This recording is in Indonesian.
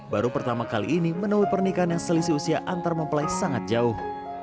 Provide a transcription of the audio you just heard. baru pertama kali ini menemui pernikahan yang selisih usia antar mempelai sangat jauh